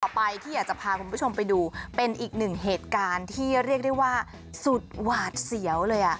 ไปที่อยากจะพาคุณผู้ชมไปดูเป็นอีกหนึ่งเหตุการณ์ที่เรียกได้ว่าสุดหวาดเสียวเลย